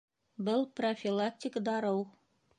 Был профилактик дарыу